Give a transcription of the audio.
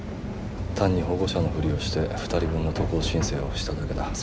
単に保護者のふりをして２人分の渡航申請をしただけだ。